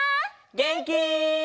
げんき？